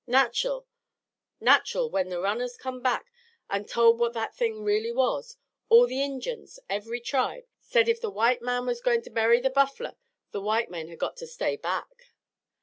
Nacherl, when the runners come back an' told what that thing really was, all the Injuns, every tribe, said if the white man was goin' to bury the buffler the white man had got to stay back.